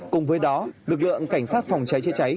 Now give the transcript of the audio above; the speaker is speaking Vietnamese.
cùng với đó lực lượng cảnh sát phòng cháy chữa cháy